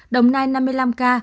đồng nai năm mươi năm ca